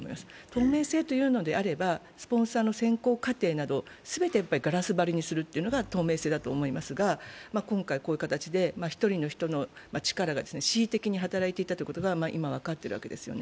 透明性というのであればスポンサーの選考過程など全てガラス張りにするのが透明性だと思いますが、今回こういう形で１人の人の力が恣意的に働いていたということが今分かっているわけです。